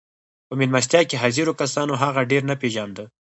په مېلمستیا کې حاضرو کسانو هغه ډېر نه پېژانده